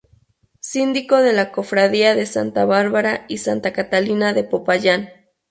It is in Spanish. Síndico de la Cofradía de Santa Bárbara y Santa Catalina de Popayán.